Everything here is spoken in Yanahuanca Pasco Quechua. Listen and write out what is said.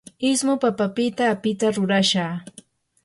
ismu papapitam apita rurashaa.